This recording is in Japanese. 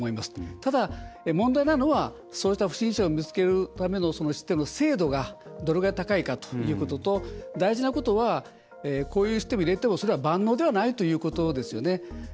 ただ、問題なのはそうした不審者を見つけるための精度がどれぐらい高いかということと大事なことはこういうシステムを入れても万能ではないということですよね。